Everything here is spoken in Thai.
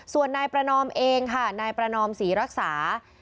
ส่วนนายประนอมเองค่ะนายประนอมศรีรักษา